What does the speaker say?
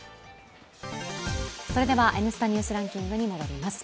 それでは、「Ｎスタ・ニュースランキング」に戻ります。